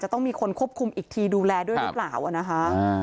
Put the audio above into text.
ต้องมีคนควบคุมอีกทีดูแลด้วยหรือเปล่านะคะ